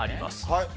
はい。